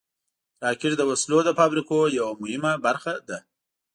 راکټ د وسلو د فابریکو یوه مهمه برخه ده